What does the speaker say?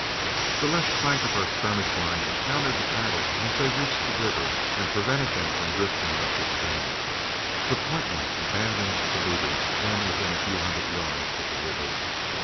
The left flank of our skirmish line encountered the cattle as they reached the river, and prevented them from drifting up the stream. The point men abandoned the leaders when within a few hundred yards of the river.